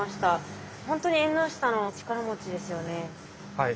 はい。